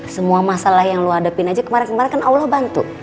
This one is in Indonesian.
semua masalah yang lu hadapin aja kemarin kemarin kan allah bantu